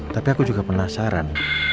tapi aku juga penasaran